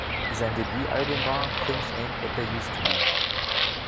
Sein Debütalbum war "Things Ain't What They Used to Be".